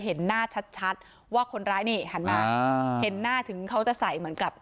เห็นหน้าชัดชัดว่าคนร้ายนี่หันมาอ่าเห็นหน้าถึงเขาจะใส่เหมือนกับ